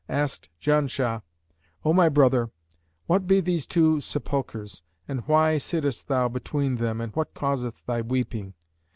asked Janshah, 'O my brother, what be these two sepulchres and why sittest thou between them and what causeth thy weeping?'